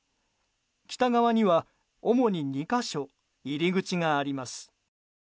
北側には、主に２か所入り口があります。